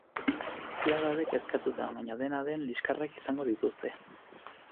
Guztiak daude kezkatuta, baina, dena den, liskarrak izango dituzte.